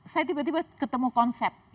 saya tiba tiba ketemu konsep